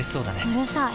うるさい。